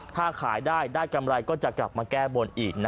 ถ้าขายได้ได้กำไรก็จะกลับมาแก้บนอีก